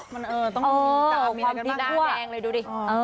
พร้อมพลิกกลัว